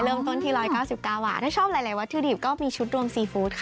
เริ่มต้นทีร้อยเก้าสิบก้าวหวาดถ้าชอบหลายหลายวัตถุดิบก็มีชุดรวมซีฟู